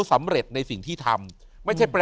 สำเร็จในสิ่งที่ทำ